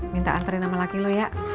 minta anterin sama laki lu ya